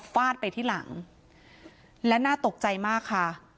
ฟาดไปที่หลังและน่าตกใจมากค่ะ